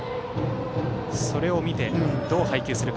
それを見てどう配球するか。